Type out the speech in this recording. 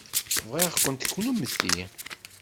Bɣiɣ-kent kennemti.